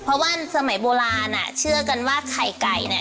เพราะว่าสมัยโบราณอ่ะเชื่อกันว่าไข่ไก่เนี่ย